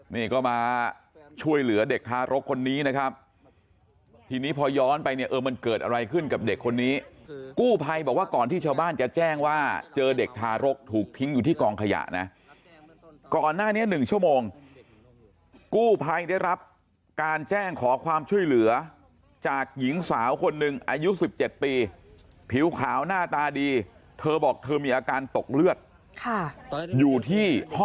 นี่ก็มาช่วยเหลือเด็กทารกคนนี้นะครับทีนี้พอย้อนไปเนี่ยเออมันเกิดอะไรขึ้นกับเด็กคนนี้กู้ภัยบอกว่าก่อนที่ชาวบ้านจะแจ้งว่าเจอเด็กทารกถูกทิ้งอยู่ที่กองขยะนะก่อนหน้านี้๑ชั่วโมงกู้ภัยได้รับการแจ้งขอความช่วยเหลือจากหญิงสาวคนหนึ่งอายุ๑๗ปีผิวขาวหน้าตาดีเธอบอกเธอมีอาการตกเลือดค่ะอยู่ที่ห้อง